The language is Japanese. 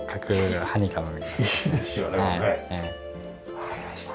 わかりました。